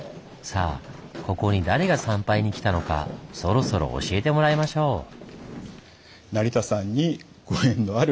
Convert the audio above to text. さあここに誰が参拝に来たのかそろそろ教えてもらいましょう。